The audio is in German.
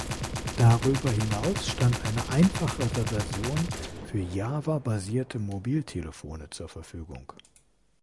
Darüber hinaus stand eine einfachere Version für Java-basierte Mobiltelefone zur Verfügung.